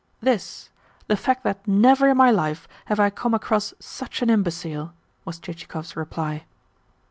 "This the fact that never in my life have I come across such an imbecile," was Chichikov's reply.